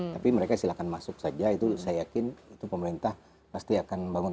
tapi mereka silakan masuk saja itu saya yakin itu pemerintah pasti akan bangun